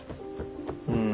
うん。